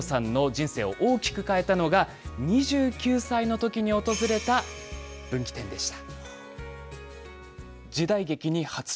そんなＤＡＩＧＯさんの人生を大きく変えたのが、２９歳のときに訪れた分岐点でした。